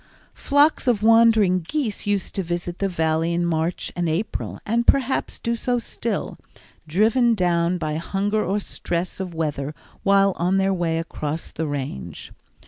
Flocks of wandering geese used to visit the Valley in March and April, and perhaps do so still, driven down by hunger or stress of weather while on their way across the Range.